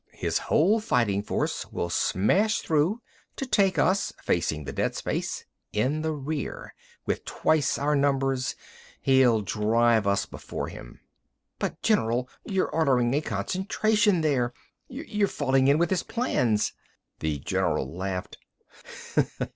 His whole fighting force will smash through to take us, facing the dead space, in the rear! With twice our numbers, he'll drive us before him." "But general! You're ordering a concentration there! You're falling in with his plans!" The general laughed.